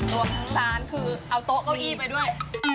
รวมทั้งร้านคือเอาโต๊ะเก้าอี้ไปด้วย